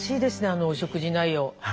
あのお食事内容。